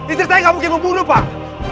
isteri saya gak mungkin membunuh pak